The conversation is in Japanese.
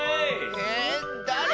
ええ？だれ？